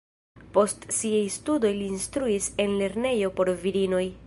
Post siaj studoj li instruis en lernejo por virinoj.